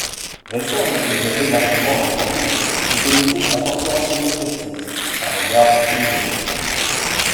Réformes que vous avez largement alimentées ! Ce comité apportera son expertise, un regard plus élevé.